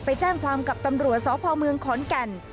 ไปแจ้งความกับตำรวจสพเมืองขอนแก่น